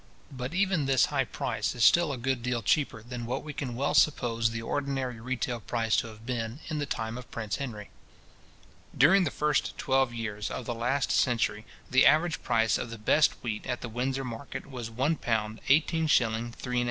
But even this high price is still a good deal cheaper than what we can well suppose the ordinary retail price to have been in the time of Prince Henry. During the first twelve years of the last century, the average price of the best wheat at the Windsor market was £ 1:18:3½d.